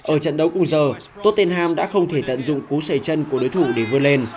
ở trận đấu cùng giờ tottenham đã không thể tận dụng cú sầy chân của đối thủ để vượt lên